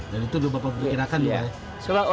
dan itu bapak berkirakan juga ya